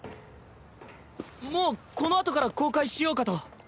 もうこのあとから公開しようかと。